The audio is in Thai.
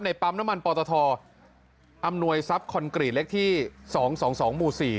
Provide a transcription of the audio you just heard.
ในปั๊มน้ำมันปอตทอำนวยทรัพย์คอนกรีดเล็กที่สองสองสองหมู่สี่